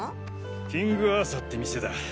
キングアーサーって店だ。